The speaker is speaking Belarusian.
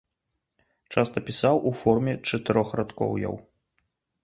Часта пісаў у форме чатырохрадкоўяў.